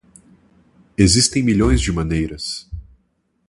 Existem milhões de maneiras.